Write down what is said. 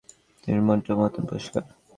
মনটা তো আমাদের মতোন পরিষ্কার।